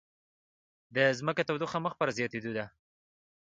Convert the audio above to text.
د ځمکې تودوخه مخ په زیاتیدو ده